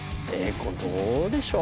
これどうでしょう？